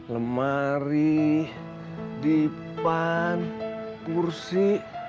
lemari dipan kursi